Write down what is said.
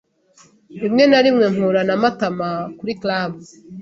Rimwe na rimwe mpura na Matama kuri club.